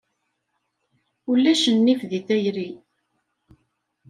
Ulac nnif deg tayri.